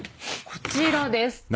こちらです。